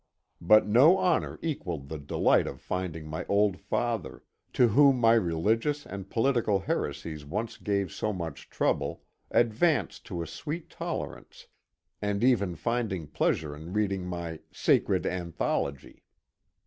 But no honour equalled the delight of finding my old father, to whom my religious and political heresies once gave so much trouble, advanced to a sweet tolerance, and even finding pleasure in reading my " Sacred Anthology."